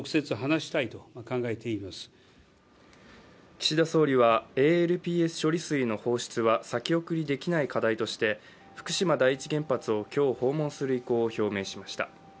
岸田総理はＡＬＰＳ処理水の放出は先送りできない課題として福島第一原発を今日訪問する意向を表明しました。